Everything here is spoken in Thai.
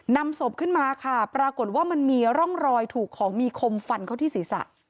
นำศพขึ้นมาค่ะปรากฏว่ามันมีร่องรอยถูกของมีคมฟันเขาที่ศีรษะ